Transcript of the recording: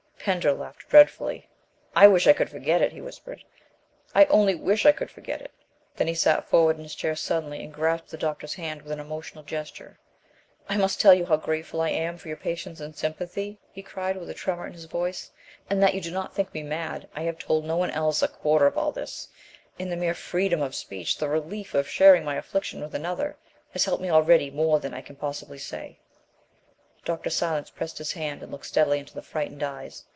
Pender laughed dreadfully. "I wish I could forget it," he whispered, "I only wish I could forget it!" Then he sat forward in his chair suddenly, and grasped the doctor's hand with an emotional gesture. "I must tell you how grateful I am for your patience and sympathy," he cried, with a tremor in his voice, "and that you do not think me mad. I have told no one else a quarter of all this, and the mere freedom of speech the relief of sharing my affliction with another has helped me already more than I can possibly say." Dr. Silence pressed his hand and looked steadily into the frightened eyes.